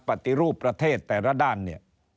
ปฏิรูปประเทศแต่ละด้านเนี่ย